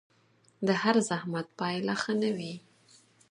د هر زحمت پايله ښه نه وي